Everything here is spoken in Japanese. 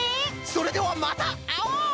それではまたあおう！